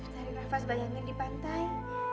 cari nafas bayangin di pantai